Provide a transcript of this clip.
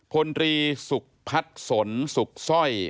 พลตรีสุขพัดสนสุขสร้อย